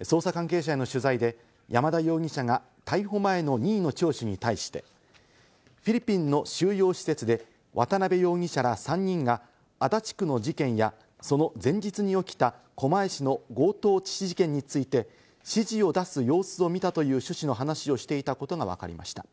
捜査関係者への取材で、山田容疑者が逮捕前の任意の聴取に対して、フィリピンの収容施設で渡辺容疑者ら３人が足立区の事件や、その前日に起きた狛江市の強盗致死事件について指示を出す様子を見たという趣旨の話をしていたことがわかりました。